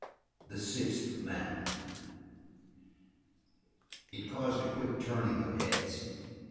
The Sixth Man It caused a quick turning of heads.